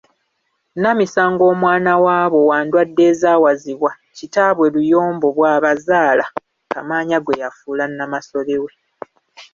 Namisango omwana waabo wa Ndwaddeewazibwa kitaabwe Luyombo bw'abazaala, Kamaanya gwe yafuula Namasole we.